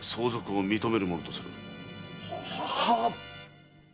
ははーっ。